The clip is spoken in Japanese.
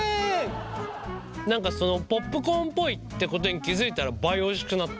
何かポップコーンっぽいってことに気付いたら倍おいしくなった。